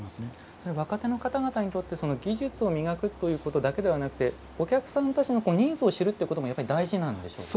それは若手の方々にとって技術を磨くということだけではなくてお客さんたちのニーズを知るということもやっぱり大事なんでしょうか？